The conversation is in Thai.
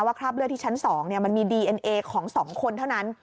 คราบเลือดที่ชั้น๒มันมีดีเอ็นเอของ๒คนเท่านั้น